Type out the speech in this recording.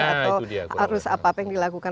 atau harus apa apa yang dilakukan